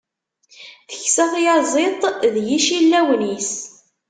Teksa tyaziḍt d yicillawen-is.